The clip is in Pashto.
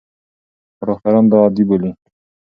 خو ډاکټران دا عادي بولي.